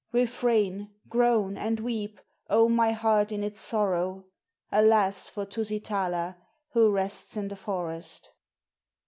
Refrain, groan, and weep, oh, my heart in its sorrow! Alas! for Tusitala, who rests in the forest.